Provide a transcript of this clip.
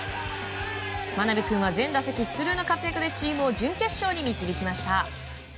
真鍋君は全打席出塁の活躍でチームを準決勝に導きました。